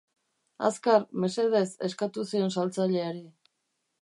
Azkar, mesedez eskatu zion saltzaileari.